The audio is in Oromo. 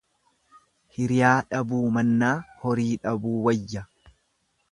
Hiriyaa dhabuu mannaa horii dhabuu wayya.